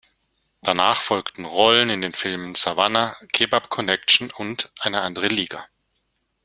Danach folgten Rollen in den Filmen „Savannah“, „Kebab Connection“ und „Eine andere Liga“.